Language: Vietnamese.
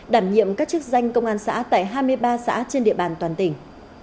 đảm nhiệm các chức danh công an xã tại hai mươi ba xã trên địa bàn toàn tỉnh